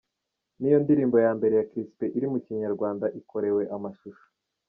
Niyo ndirimbo ya mbere ya Chrispin iri mu Kinyarwanda ikorewe amashusho.